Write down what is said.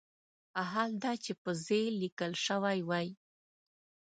حال دا چې په "ز" لیکل شوی وای.